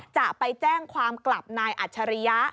จะไปแจ้งความกลับนายอัจฉริยะ